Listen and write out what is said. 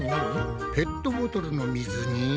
ペットボトルの水に。